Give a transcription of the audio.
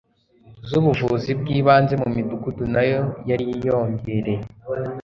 z ubuvuzi bw ibanze mu midugudu nayo yariyongereye